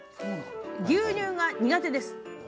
牛乳が苦手です。